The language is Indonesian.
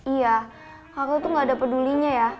iya aku tuh gak ada pedulinya ya